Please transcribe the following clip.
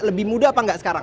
lebih mudah apa enggak sekarang